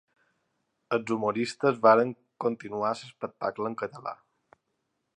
Els humoristes van continuar l’espectacle en català.